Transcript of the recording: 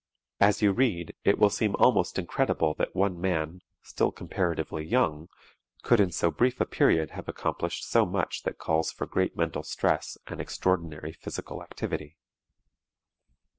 As you read, it will seem almost incredible that one man, still comparatively young, could in so brief a period have accomplished so much that calls for great mental stress and extraordinary physical activity.